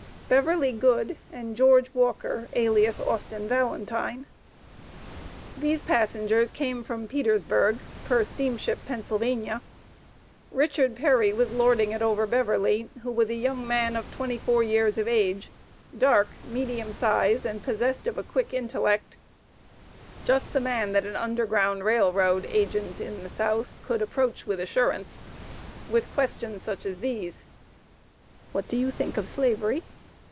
BEVERLY GOOD and GEORGE WALKER, alias Austin Valentine. These passengers came from Petersburg, per steamship Pennsylvania. Richard Perry was lording it over Beverly, who was a young man of twenty four years of age, dark, medium size, and possessed of a quick intellect just the man that an Underground Rail Road agent in the South could approach with assurance with questions such as these "What do you think of Slavery?"